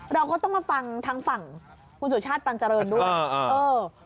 เราก็ต้องมาฟังทางฝั่งคุณสุชาติตันเจริญด้วยเออ